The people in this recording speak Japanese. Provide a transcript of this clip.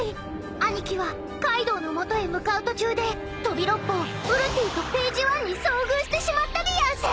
［兄貴はカイドウの元へ向かう途中で飛び六胞うるティとページワンに遭遇してしまったでやんす］